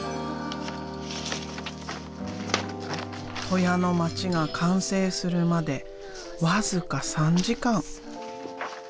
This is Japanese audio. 戸舎の街が完成するまで僅か３時間。